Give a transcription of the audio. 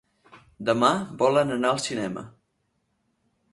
Demà volen anar al cinema.